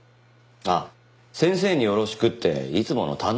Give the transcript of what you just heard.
あっ「先生によろしく」っていつもの単独行動です。